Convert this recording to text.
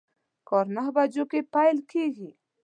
کار نهه بجو کی پیل کیږي